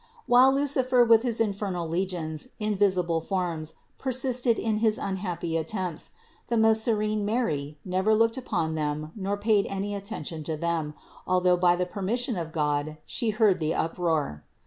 366. While Lucifer with his infernal legions in visi ble forms persisted in his unhappy attempts, the most serene Mary never looked upon them nor paid any atten tion to them, although by the permission of God She heard the uproar.